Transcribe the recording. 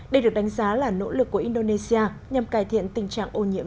đây được đánh giá là nỗ lực của indonesia nhằm cải thiện tình trạng ô nhiễm trên đại dương